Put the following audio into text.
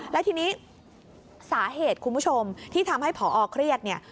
และทีนี้สาเหตุคุณผู้ชมที่ทำให้ผอเครียดเนี่ย